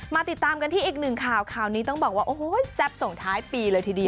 ติดตามกันที่อีกหนึ่งข่าวข่าวนี้ต้องบอกว่าโอ้โหแซ่บส่งท้ายปีเลยทีเดียว